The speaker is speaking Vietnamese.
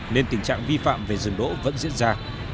nên tình trạng vi phạm về dừng đỗ vẫn diễn ra